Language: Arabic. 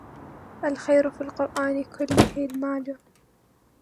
الْخَيْرُ فِي الْقُرْآنِ كُلِّهِ الْمَالُ